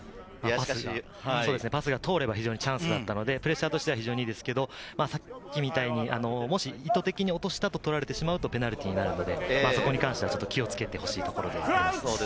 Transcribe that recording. パスが通ればチャンスだったので、プレッシャーとしてはいいのですが、もし意図的に落としたと取られてしまうと、ペナルティーになるので、そこに関しては気を付けてほしいです。